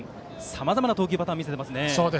さまざまな投球パターンを見せていますね。